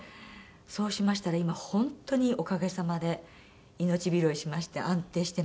そうしましたら今本当におかげさまで命拾いしまして安定してます。